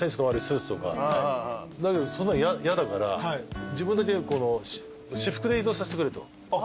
だけどそんなの嫌だから自分だけ私服で移動させてくれと。